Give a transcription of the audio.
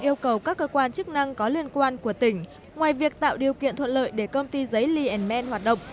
yêu cầu các cơ quan chức năng có liên quan của tỉnh ngoài việc tạo điều kiện thuận lợi để công ty giấy lìn men hoạt động